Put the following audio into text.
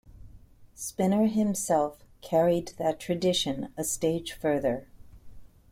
Spinner himself carried that tradition a stage further.